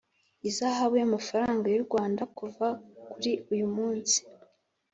ihazabu y amafaranga y u Rwanda kuva kuri uyumunsi